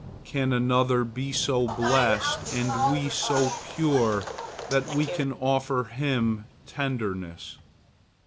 Can another be so blessed and we so pure that we can offer him tenderness?